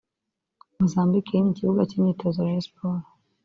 #Mozambique yimye ikibuga cy'imyitozo Rayons Sport